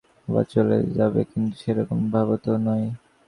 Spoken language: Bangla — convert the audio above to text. ভেবেছিল, দেখা করতে এসেছে আবার চলে যাবে, কিন্তু সেরকম ভাব তো নয়।